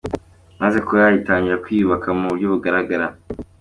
Maze korali itangira kwiyubaka mu buryo bugaragara.